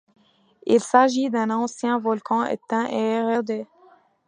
Il s'agit d'un ancien volcan éteint et érodé.